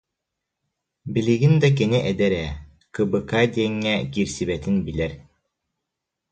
Билигин да кини эдэр ээ, «КБК»-ка диэҥҥэ киирсибэтин билэр